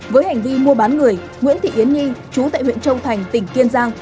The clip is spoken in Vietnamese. với hành vi mua bán người nguyễn thị yến nhi chú tại huyện châu thành tỉnh kiên giang